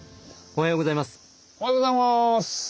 おはようございます！